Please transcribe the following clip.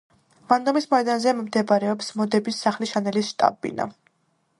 ვანდომის მოედანზე მდებარეობს მოდების სახლი შანელის შტაბ-ბინა.